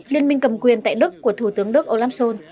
liên minh cầm quyền tại đức của thủ tướng đức olafsson